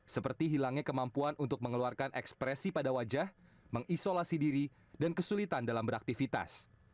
seperti hilangnya kemampuan untuk mengeluarkan ekspresi pada wajah mengisolasi diri dan kesulitan dalam beraktivitas